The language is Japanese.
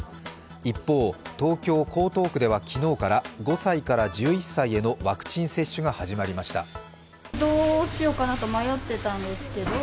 一方、東京・江東区では昨日から５歳から１１歳へのワクチン接種が始まりました。